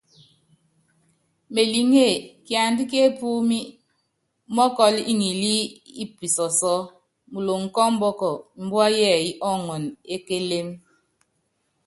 Meliŋé, kiandá ki epúúmí, mɔ́kɔl ŋilí i pisɔsɔ́ muloŋ kɔ ɔmbɔk, mbua yɛɛyɛ́ ɔɔŋɔn e kélém.